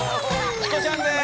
チコちゃんです！